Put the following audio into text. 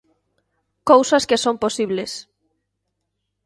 Cousas que son posibles.